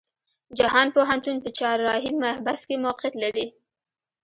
جهان پوهنتون په چهارراهی محبس کې موقيعت لري.